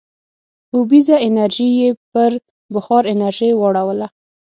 اوبیزه انرژي یې پر بخار انرژۍ واړوله.